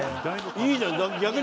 いいじゃん別に。